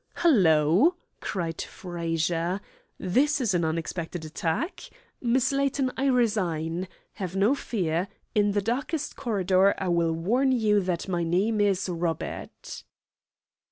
"Hello!" cried Frazer. "This is an unexpected attack. Miss Layton, I resign. Have no fear. In the darkest corridor I will warn you that my name is 'Robert.'"